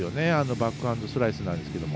バックハンドスライスなんですが。